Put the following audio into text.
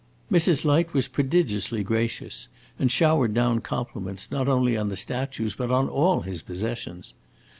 Mrs. Light was prodigiously gracious, and showered down compliments not only on the statues, but on all his possessions.